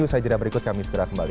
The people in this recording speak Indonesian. usai jeda berikut kami segera kembali